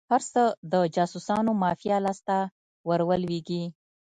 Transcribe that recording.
هر څه د جاسوسانو مافیا لاس ته ور ولویږي.